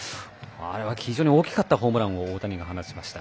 あれは非常に大きかったホームランを大谷が放ちました。